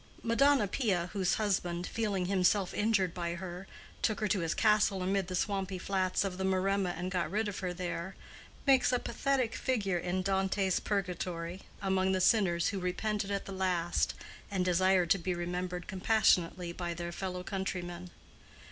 Madonna Pia, whose husband, feeling himself injured by her, took her to his castle amid the swampy flats of the Maremma and got rid of her there, makes a pathetic figure in Dante's Purgatory, among the sinners who repented at the last and desire to be remembered compassionately by their fellow countrymen.